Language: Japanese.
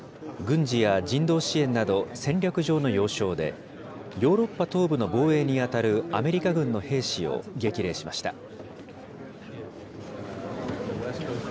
軍事や人道支援など、戦略上の要衝で、ヨーロッパ東部の防衛に当たるアメリカ軍の兵士を激励しました。